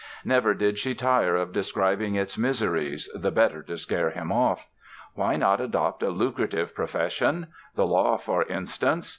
Never did she tire of describing its miseries, the better to scare him off. Why not adopt a lucrative profession? The law, for instance.